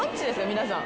皆さん。